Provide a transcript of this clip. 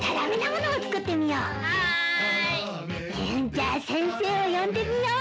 じゃあ先生を呼んでみよう。